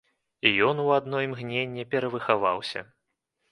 І ён у адно імгненне перавыхаваўся.